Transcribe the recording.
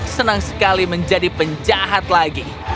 senang sekali menjadi penjahat lagi